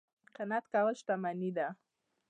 قناعت کول شتمني ده